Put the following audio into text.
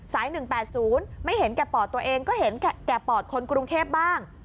๑๘๐ไม่เห็นแก่ปอดตัวเองก็เห็นแก่ปอดคนกรุงเทพบ้าง